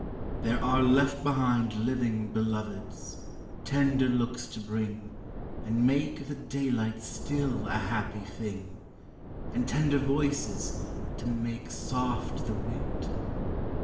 there are left behind Living Beloveds, tender looks to bring, And make the daylight still a happy thing, And tender voices, to make soft the wind.